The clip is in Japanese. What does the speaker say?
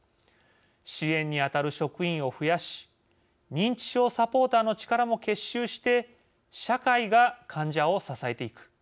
支援に当たる職員を増やし認知症サポーターの力も結集して社会が患者を支えていく。